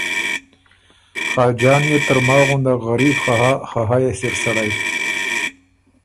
خاجان يې ترماخ غُندک غریب خه هۀ، خه هۀ يې سِر سَړئ۔